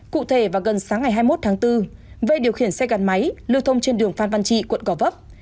cụ thể vào gần sáng ngày hai mươi một tháng bốn vệ điều khiển xe gắn máy lưu thông trên đường phan văn trị quận gò vấp